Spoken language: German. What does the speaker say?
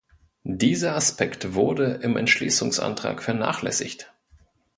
Dieser Aspekt wurde im Entschließungsantrag vernachlässigt.